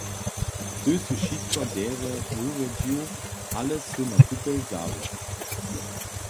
Ty sy wšitko derje wurjedźił, ale sy na kupjel zabył.